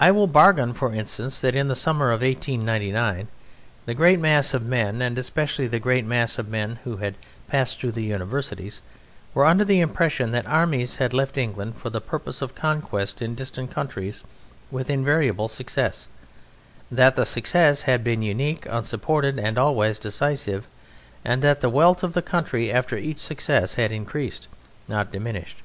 I will bargain, for instance, that in the summer of 1899 the great mass of men, and especially the great mass of men who had passed through the universities, were under the impression that armies had left England for the purpose of conquest in distant countries with invariable success: that that success had been unique, unsupported and always decisive, and that the wealth of the country after each success had increased, not diminished.